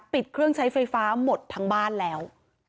ปิดเครื่องใช้ไฟฟ้าหมดทั้งบ้านแล้ว